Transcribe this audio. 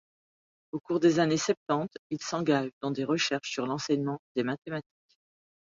Au cours des années septante, il s’engage dans des recherches sur l’enseignement des mathématiques.